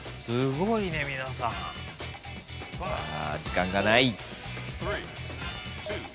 さあ時間がない。